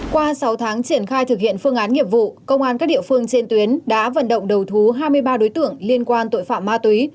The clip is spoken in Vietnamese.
qua sáu tháng triển khai thực hiện phương án nghiệp vụ công an các địa phương trên tuyến đã vận động đầu thú hai mươi ba đối tượng liên quan tội phạm ma túy